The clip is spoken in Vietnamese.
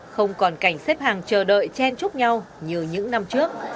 không còn cảnh xếp hàng chờ đợi chen chúc nhau như những năm trước